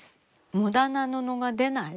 無駄な布が出ない。